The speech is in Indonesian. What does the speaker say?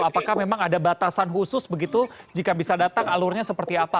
apakah memang ada batasan khusus begitu jika bisa datang alurnya seperti apa